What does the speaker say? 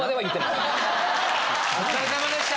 お疲れ様でした。